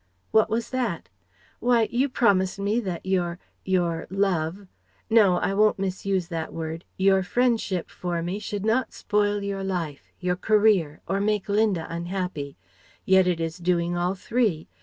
"What was that?" "Why you promised me that your your love No! I won't misuse that word Your friendship for me should not spoil your life, your career, or make Linda unhappy. Yet it is doing all three.